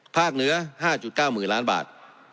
ภาคเหนือ๕๙หมื่นล้านบาท